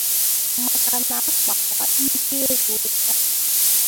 ma ka na-akpakwa ike ruo taa.